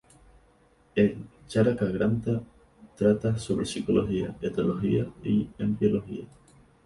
El "Charaka-granta" trata sobre psicología, etología y embriología.